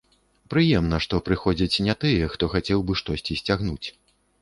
Прыемна, што прыходзяць не тыя, хто хацеў бы штосьці сцягнуць.